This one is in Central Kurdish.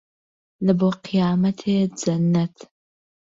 لە بۆ قیامەتێ جەننەت